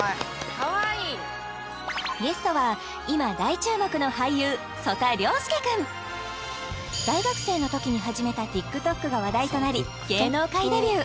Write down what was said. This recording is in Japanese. かわいいゲストは今大注目の俳優曽田陵介君大学生のときに始めたＴｉｋＴｏｋが話題となり芸能界デビュー